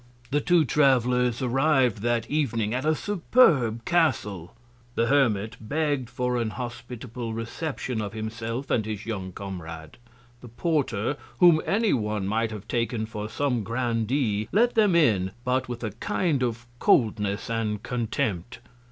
The two Travellers arriv'd that Evening at a superb Castle. The Hermit begg'd for an hospitable Reception of himself and his young Comrade. The Porter, whom any One might have taken for some Grandee, let them in, but with a kind of Coldness and Contempt.